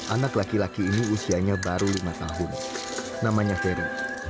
anak laki laki ini usianya baru lima tahun namanya ferry